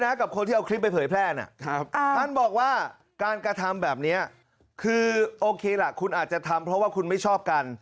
นายฉรัฐนะครับยังระบุด้วยว่า